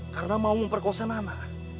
karena mau memperkosa nana